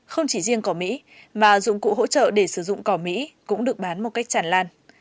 không chỉ riêng cỏ mỹ mà dụng cụ hỗ trợ để sử dụng cỏ mỹ cũng được bán một cách tràn lan